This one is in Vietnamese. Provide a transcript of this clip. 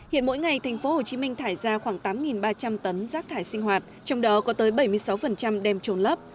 hiện mỗi ngày tp hcm thải ra khoảng tám ba trăm linh tấn rác thải sinh hoạt trong đó có tới bảy mươi sáu đem trốn lấp